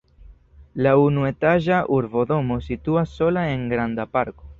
La unuetaĝa urbodomo situas sola en granda parko.